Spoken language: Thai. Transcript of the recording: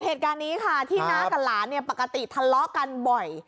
เหตุการณ์นี้ค่ะที่น้ากับหลานเนี่ยปกติทะเลาะกันบ่อย